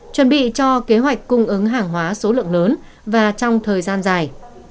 chuẩn bị cho kế hoạch cung ứng hàng hóa số lượng lớn và trong thời gian dài